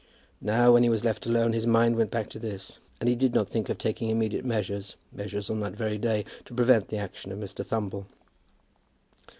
Now, when he was left alone, his mind went back to this, and he did not think of taking immediate measures, measures on that very day, to prevent the action of Mr. Thumble.